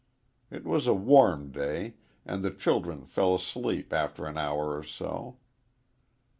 It was a warm day and the children fell asleep after an hour or so.